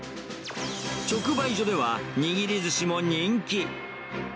直売所では、握りずしも人気。